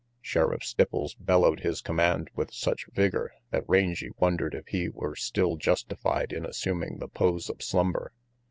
Sheriff Stipples bellowed his command with such vigor that Rangy wondered if he were still justified in assuming the pose of slumber.